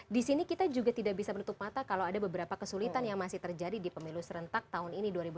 di sini kita juga tidak bisa menutup mata kalau ada beberapa kesulitan yang masih terjadi di pemilu serentak tahun ini dua ribu dua puluh